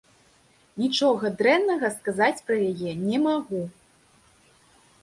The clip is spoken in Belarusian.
Нічога дрэннага сказаць пра яе не магу.